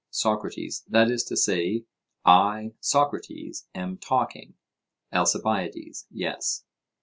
SOCRATES: That is to say, I, Socrates, am talking? ALCIBIADES: Yes.